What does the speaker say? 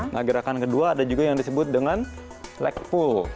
nah gerakan kedua ada juga yang disebut dengan lag pool